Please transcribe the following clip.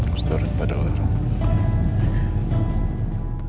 restoran pada larang